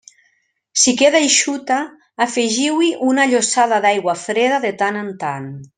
Si queda eixuta, afegiu-hi una llossada d'aigua freda de tant en tant.